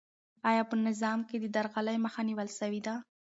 آیا په نظام کې د درغلۍ مخه نیول سوې ده؟